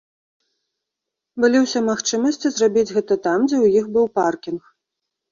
Былі ўсе магчымасці зрабіць гэта там, дзе ў іх быў паркінг.